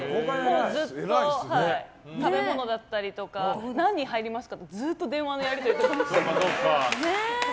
ずっと、食べ物だったりとか何人、入りますかとかずっと電話のやり取りも。